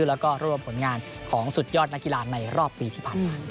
และล่วงผลงานของสุดยอดนักกีฬาในรอบปีี